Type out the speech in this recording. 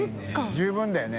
十分だよね。